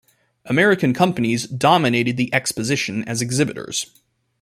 American companies dominated the exposition as exhibitors.